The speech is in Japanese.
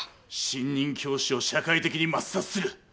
新任教師を社会的に抹殺する